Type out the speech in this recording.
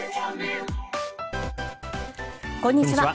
こんにちは。